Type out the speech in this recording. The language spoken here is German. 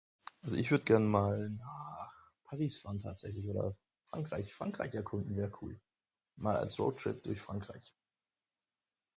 Also ich würd gern mal [unintelligible] Frankreich Frankreich erkunden wär cool, mal als Roadtrip durch Frankreich.